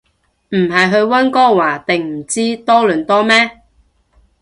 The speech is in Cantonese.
唔係去溫哥華定唔知多倫多咩